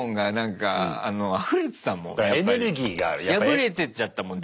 破れてっちゃったもん